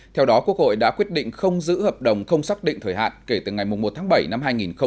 theo đó quốc hội đã quyết định không giữ hợp đồng không xác định thời hạn kể từ ngày một tháng bảy năm hai nghìn hai mươi